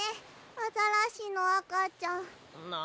アザラシのあかちゃん。なあ。